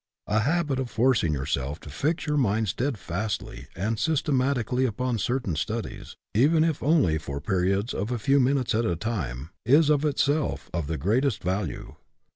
A habit of forcing yourself to fix your mind steadfastly and systematically upon certain studies, even if only for periods of a few minutes at a time, is, of itself, of the greatest value.